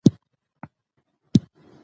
د خپګان ضد او د وینې فشار درمل مهم دي.